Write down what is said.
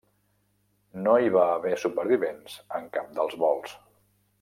No hi va haver supervivents en cap dels vols.